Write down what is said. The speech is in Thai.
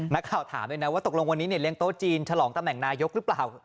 นักข่าวถามด้วยนะว่าตกลงวันนี้เรียงโต๊ะจีนฉลองตำแหน่งนายกรึเปล่า